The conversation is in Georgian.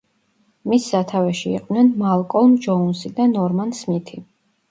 მის სათავეში იყვნენ მალკოლმ ჯოუნსი და ნორმან სმითი.